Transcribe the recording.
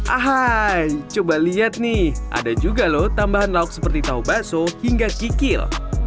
ahai coba lihat nih ada juga loh tambahan lauk seperti tahu bakso hingga kikil